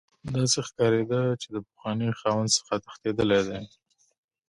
داسې ښکاریده چې د پخواني خاوند څخه تښتیدلی دی